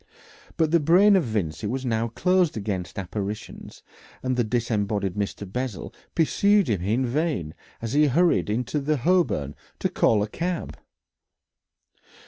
But the brain of Vincey was now closed against apparitions, and the disembodied Mr. Bessel pursued him in vain as he hurried out into Holborn to call a cab.